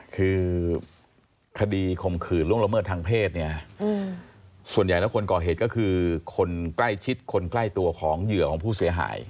คือคดีข่มขืนล่วงละเมิดทางเพศเนี่ยส่วนใหญ่แล้วคนก่อเหตุก็คือคนใกล้ชิดคนใกล้ตัวของเหยื่อของผู้เสียหาย